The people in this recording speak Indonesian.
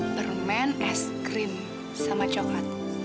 permen es krim sama coklat